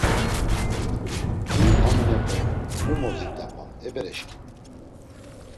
Huy haninepe mu mozit̆apam e bereşǩimi!